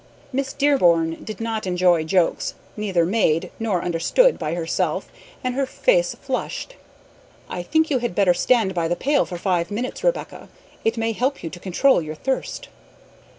Miss Dearborn did not enjoy jokes neither made nor understood by herself, and her face flushed. "I think you had better stand by the pail for five minutes, Rebecca; it may help you to control your thirst."